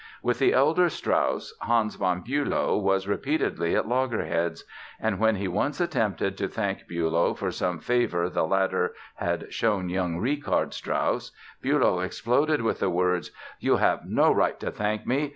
With the elder Strauss Hans von Bülow was repeatedly at loggerheads. And when he once attempted to thank Bülow for some favor the latter had shown young Richard Strauss Bülow exploded with the words: "You have no right to thank me!